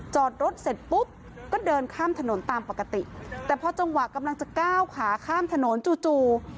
จอดรถเสร็จปุ๊บก็เดินข้ามถนนตามปกติแต่พอจังหวะกำลังจะก้าวขาข้ามถนนจู่จู่